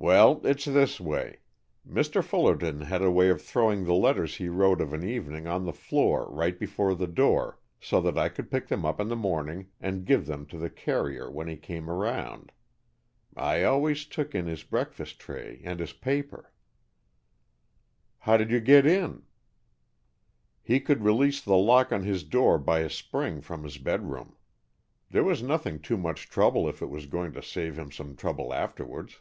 "Well, it's this way. Mr. Fullerton had a way of throwing the letters he wrote of an evening on the floor right before the door, so that I could pick them up in the morning and give them to the carrier when he came around. I always took in his breakfast tray and his paper, " "How did you get in?" "He could release the lock on his door by a spring from his bedroom. There was nothing too much trouble if it was going to save him some trouble afterwards."